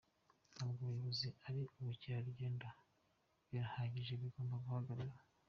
Ntabwo ubuyobozi ari ubukerarugendo, birahagije, bigomba guhagarara”.